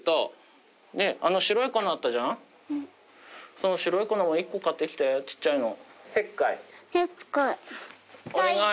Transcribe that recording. その白い粉も１個買ってきて小っちゃいの。